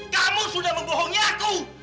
kamu sudah membohongi aku